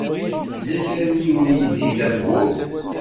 Yella kra n yiwen i yeldin tawwurt.